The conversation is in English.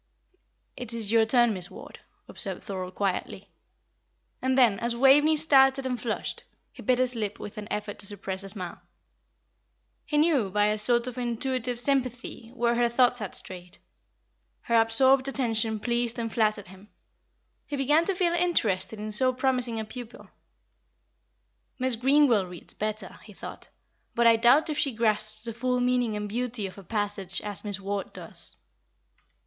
"It is your turn, Miss Ward," observed Thorold, quietly. And then, as Waveney started and flushed, he bit his lip with an effort to suppress a smile. He knew, by a sort of intuitive sympathy, where her thoughts had strayed. Her absorbed attention pleased and flattered him; he began to feel interested in so promising a pupil. "Miss Greenwell reads better," he thought; "but I doubt if she grasps the full meaning and beauty of a passage as Miss Ward does."